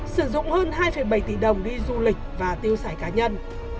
sử dụng hơn hai bảy tỷ đồng đi du lịch và tiêu sải cá nhân